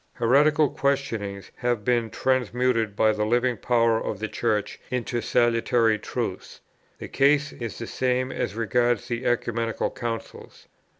Heretical questionings have been transmuted by the living power of the Church into salutary truths. The case is the same as regards the Ecumenical Councils.